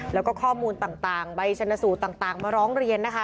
แล้วก็ข้อมูลต่างใบชนสูตรต่างมาร้องเรียนนะคะ